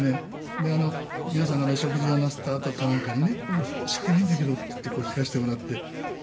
で皆さんがね食事をなすったあとかなんかにね「申し訳ないんだけど」って言って弾かせてもらって。